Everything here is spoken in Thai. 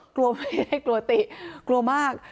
กลัวไม่ได้กลัวติกลัวมาก